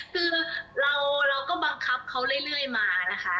คือเราก็บังคับเขาเรื่อยมานะคะ